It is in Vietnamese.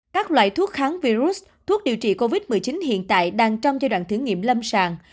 các loại thuốc kháng virus thuốc điều trị covid một mươi chín hiện tại đang trong giai đoạn thử nghiệm lâm sàng